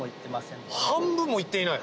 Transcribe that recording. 半分もいっていない？